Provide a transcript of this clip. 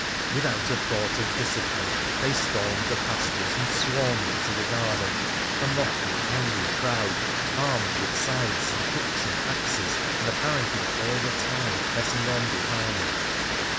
Without a thought of discipline they stormed the pastures and swarmed into the garden, a motley, angry crowd, armed with scythes and hooks and axes, and apparently all the town pressing on behind.